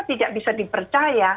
tidak bisa dipercaya